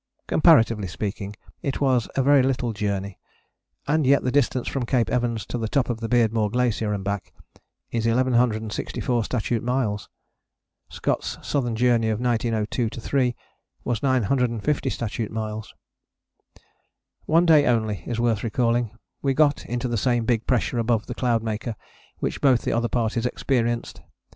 Comparatively speaking it was a very little journey: and yet the distance from Cape Evans to the top of the Beardmore Glacier and back is 1164 statute miles. Scott's Southern Journey of 1902 3 was 950 statute miles. One day only is worth recalling. We got into the same big pressure above the Cloudmaker which both the other parties experienced.